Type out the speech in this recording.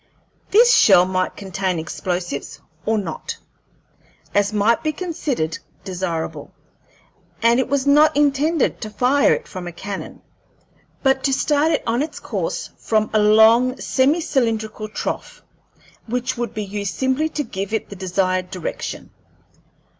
This shell might contain explosives or not, as might be considered desirable, and it was not intended to fire it from a cannon, but to start it on its course from a long semi cylindrical trough, which would be used simply to give it the desired direction.